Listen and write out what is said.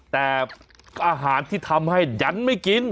แต่อาหารที่ทำให้ดันไม่กิน